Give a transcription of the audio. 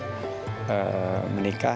sudah hampir dua puluh tiga tahun menikah